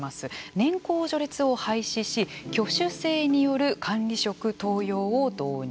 年功序列を廃止し挙手制による管理職登用を導入。